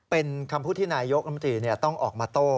เป็นคำพูดที่นายกรมตรีต้องออกมาโต้